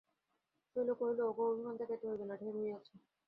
শৈল কহিল, ওগো, অভিমান দেখাইতে হইবে না, ঢের হইয়াছে।